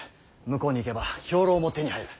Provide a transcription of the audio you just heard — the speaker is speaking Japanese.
向こうに行けば兵糧も手に入る。